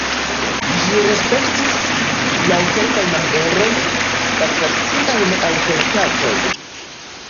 Ĝi respektis, laŭ kelkaj manieroj, la tradiciajn aŭtoritatojn.